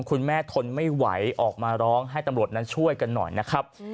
คุณแม่ทนไม่ไหวออกมาร้องให้ตำรวจนั้นช่วยกันหน่อยนะครับ